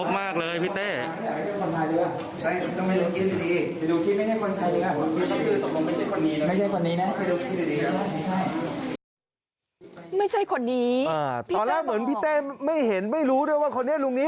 ไม่ใช่คนนี้ตอนแรกเหมือนพี่เต้ไม่เห็นไม่รู้ด้วยว่าคนนี้ลุงนี้